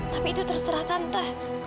tapi itu terserah tante